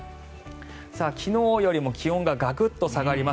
昨日よりも気温がガクッと下がります。